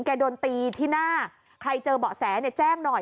โดนตีที่หน้าใครเจอเบาะแสเนี่ยแจ้งหน่อย